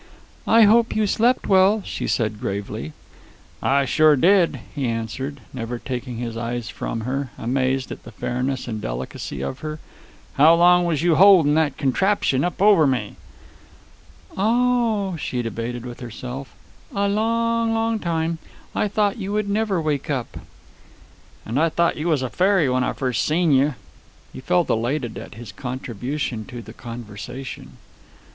"I hope you slept well," she said gravely. "I sure did," he answered, never taking his eyes from her, amazed at the fairness and delicacy of her. "How long was you holdin' that contraption up over me?" "O oh," she debated with herself, "a long, long time. I thought you would never wake up." "And I thought you was a fairy when I first seen you." He felt elated at his contribution to the conversation.